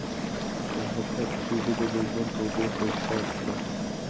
که هغه پاتې شي، زه به د ژوند تودوخه احساس کړم.